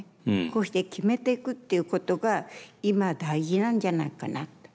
こうして決めてくっていうことが今大事なんじゃないかなと。